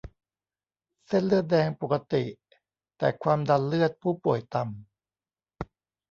เส้นเลือดแดงปกติ แต่ความดันเลือดผู้ป่วยต่ำ